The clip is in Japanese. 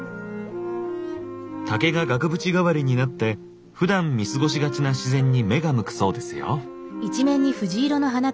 竹が額縁がわりになってふだん見過ごしがちな自然に目が向くそうですよ。